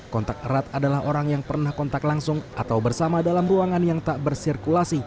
kontak erat adalah orang yang pernah kontak langsung atau bersama dalam ruangan yang tak bersirkulasi